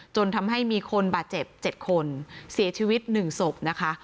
จนทำให้มีคนบาดเจ็บ๗คนเสียชีวิต๑ศพนะคะ